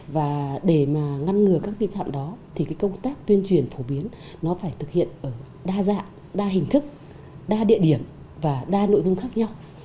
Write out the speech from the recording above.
và để mà ngăn ngừa các vi phạm đó thì cái công tác tuyên truyền phổ biến nó phải thực hiện ở đa dạng đa hình thức đa địa điểm và đa nội dung khác nhau